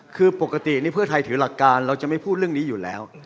คือปกตินี่เพื่อไทยถือหลักการเราจะไม่พูดเรื่องนี้อยู่แล้ว